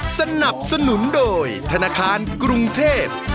สนับสนุนโดยธนาคารกรุงเทพ